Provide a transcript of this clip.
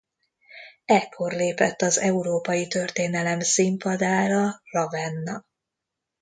Ekkor lépett az európai történelem színpadára Ravenna.